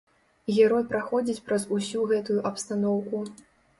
Герой праходзіць праз усю гэтую абстаноўку.